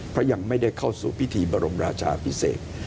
เพราะยังไม่ได้เข้าสู่พิธีบรมราชาพิเศษ